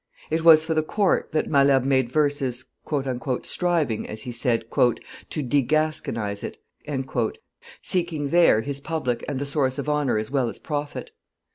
It was for the court that Malherbe made verses, "striving, as he said, to degasconnize it," seeking there his public and the source of honor as well as profit.